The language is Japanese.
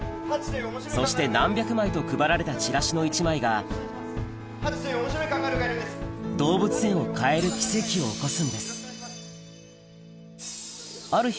そして何百枚と配られたチラシの１枚が動物園を変える奇跡を起こすんですある日